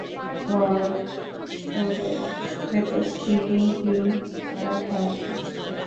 ওয়ার্ডরোবের ভেতর sleeping pill রাখা আছে।